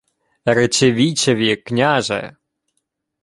— Речи вічеві, княже!